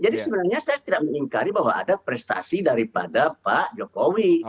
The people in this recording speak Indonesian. jadi sebenarnya saya tidak mengingkari bahwa ada prestasi daripada pak jokowi